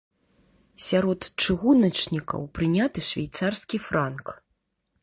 Сярод чыгуначнікаў прыняты швейцарскі франк.